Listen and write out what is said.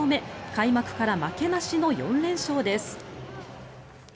開幕から負けなしの４連勝です。